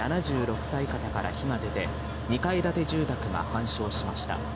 ７６歳方から火が出て、２階建て住宅が半焼しました。